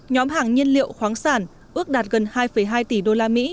nhóm hàng nhiên liệu khoáng sản ước đạt gần hai hai tỷ usd